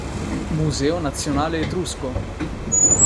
Museo nazionale etrusco